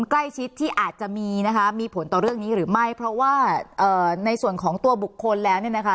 ใกล้ชิดที่อาจจะมีนะคะมีผลต่อเรื่องนี้หรือไม่เพราะว่าในส่วนของตัวบุคคลแล้วเนี่ยนะคะ